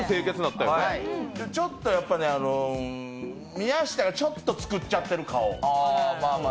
ちょっと宮下がちょっと作っちゃってる顔。